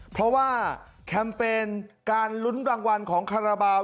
เพราะว่าแคมเปญการลุ้นรางวัลของคาราบาล